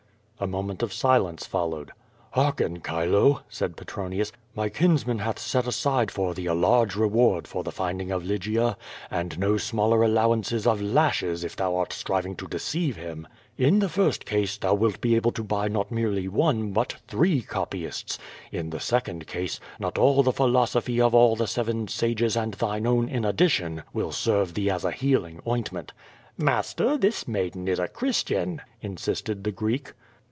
A moment of silence followed. "Hearken, Chilo," said Petronius, "my kinsman hath set aside for thee a large reward for the finding of Lygia, and no smaller allowances of lashes if thou art striving to deceive him. In the first case, thou wilt be able to buy not merely one, but three copyists; in the second case, not all the philoso phy of all the seven sages and thine own in addition will serve thee as a healing ointment." "Master, this maiden is a Christian," insisted the Greek.